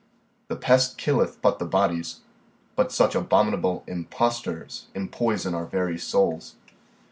The pest killeth but the bodies, but such abominable imposters empoison our very souls.